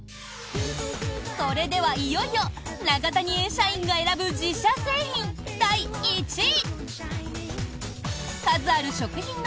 それでは、いよいよ永谷園社員が選ぶ自社製品第１位！